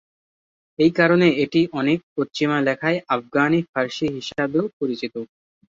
এই কারণে এটি অনেক পশ্চিমা লেখায় আফগানি ফার্সি হিসাবেও পরিচিত।